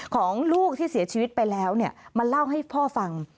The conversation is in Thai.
ของลูกที่เสียชีวิตไปแล้วมาเล่าให้พ่อฟัง